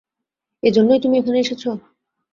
এজন্যই তুমি এখানে এসেছ?